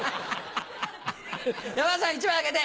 山田さん１枚あげて。